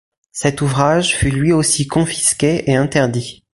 Cet ouvrage fut lui aussi confisqué et interdit.